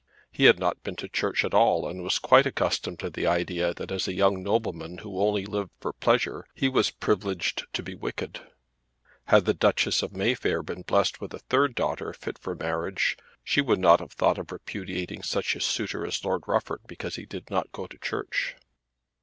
He had not been to church at all, and was quite accustomed to the idea that as a young nobleman who only lived for pleasure he was privileged to be wicked. Had the Duchess of Mayfair been blessed with a third daughter fit for marriage she would not have thought of repudiating such a suitor as Lord Rufford because he did not go to church.